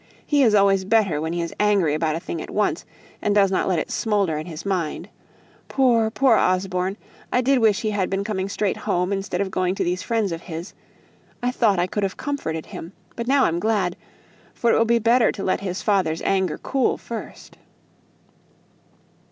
He is always better when he is angry about a thing at once, and doesn't let it smoulder in his mind. Poor, poor Osborne! I did wish he had been coming straight home, instead of going to these friends of his; I thought I could have comforted him. But now I'm glad, for it will be better to let his father's anger cool first."